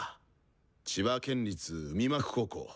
千葉県立海幕高校。